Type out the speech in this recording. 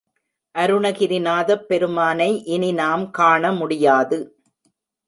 அருணகிரிநாதப் பெருமானை இனி நாம் காண முடியாது.